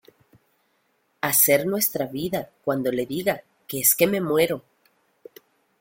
a ser nuestra vida cuando le diga que es que me muero